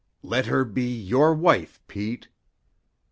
"Let her be your wife, Pete."